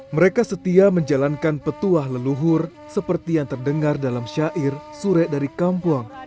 mereka setia menjalankan petuah leluhur seperti yang terdengar dalam syair sure dari kampung